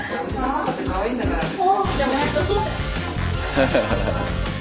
ハハハハ。